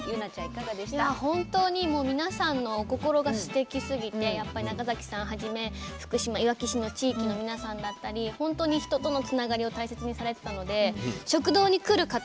いや本当に皆さんのお心がすてきすぎて中崎さんはじめ福島・いわき市の地域の皆さんだったり本当に人とのつながりを大切にされてたので食堂に来る方